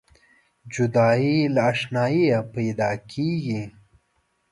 جدایي له اشناییه پیداکیږي.